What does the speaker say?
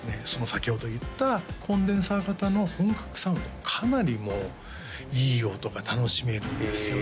先ほど言ったコンデンサー型の本格サウンドかなりもういい音が楽しめるんですよ